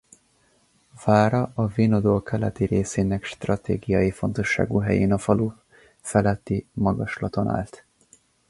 Vára a Vinodol keleti részének stratégiai fontosságú helyén a falu feletti magaslaton állt.